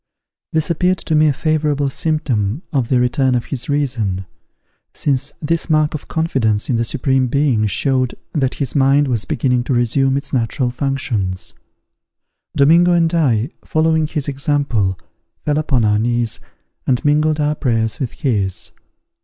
This appeared to me a favourable symptom of the return of his reason; since this mark of confidence in the Supreme Being showed that his mind was beginning to resume its natural functions. Domingo and I, following his example, fell upon our knees, and mingled our prayers with his.